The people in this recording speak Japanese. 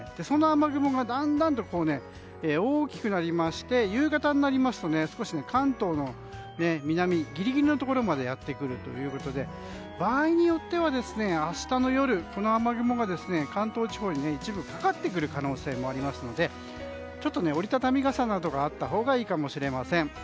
その雨雲がだんだん大きくなりまして夕方になりますと関東の南ギリギリののところまでやって来るということで場合によっては明日の夜、この雨雲が関東地方に一部かかってくる可能性もありますのでちょっと折り畳み傘などあったほうがいいかもしれません。